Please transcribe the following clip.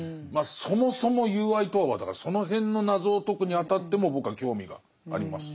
そもそも友愛とはだからその辺の謎を解くにあたっても僕は興味があります。